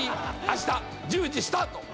あした１０時スタート。